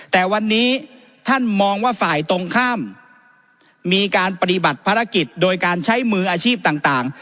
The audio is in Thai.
แต่วันนี้ท่านมองว่าฝ่ายตรงข้ามมีการปฏิบัติภารกิจโดยการใช้มืออาชีพต่าง